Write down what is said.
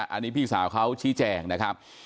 อันนี้พี่สาวเขาชี้แจงนะครับ